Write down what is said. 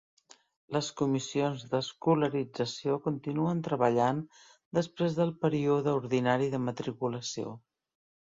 Les comissions d'escolarització continuen treballant després del període ordinari de matriculació.